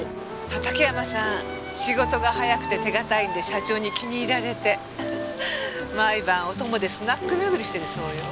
畑山さん仕事が早くて手堅いんで社長に気に入られて毎晩お供でスナック巡りしてるそうよ。